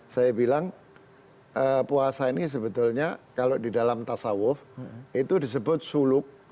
saya bilang puasa ini sebetulnya kalau di dalam tasawuf itu disebut suluk